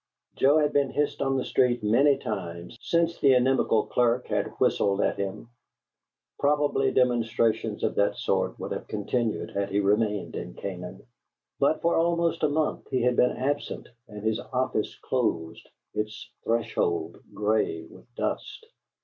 Joe had been hissed on the street many times since the inimical clerk had whistled at him. Probably demonstrations of that sort would have continued had he remained in Canaan; but for almost a month he had been absent and his office closed, its threshold gray with dust.